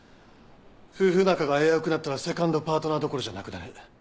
夫婦仲が危うくなったらセカンドパートナーどころじゃなくなる。